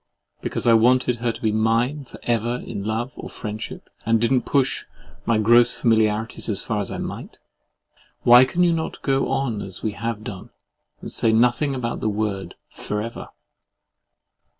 Because I wanted her to be mine for ever in love or friendship, and did not push my gross familiarities as far as I might. "Why can you not go on as we have done, and say nothing about the word, FOREVER?"